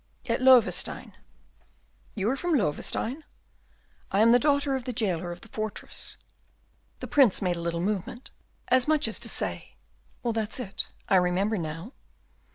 "At Loewestein." "You are from Loewestein?" "I am the daughter of the jailer of the fortress." The Prince made a little movement, as much as to say, "Well, that's it, I remember now."